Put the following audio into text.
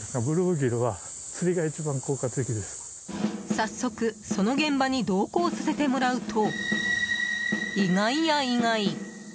早速その現場に同行させてもらうと意外や意外。